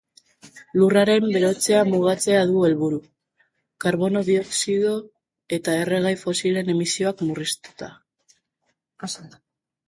Lurraren berotzea mugatzea du helburu, karbono dioxido eta erregai fosilen emisioak murriztuta.